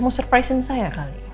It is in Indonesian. mau surprise in saya kali